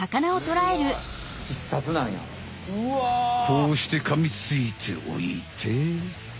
こうしてかみついておいて。